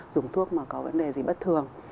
dùng thuốc mà có vấn đề gì bất thường